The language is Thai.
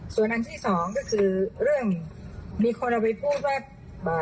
ส่วนอันที่สองก็คือเรื่องมีคนเอาไปพูดว่า